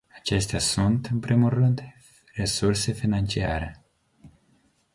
Acestea sunt, în primul rând, resursele financiare.